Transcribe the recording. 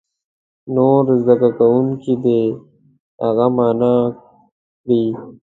نور زده کوونکي دې هغه معنا کړي.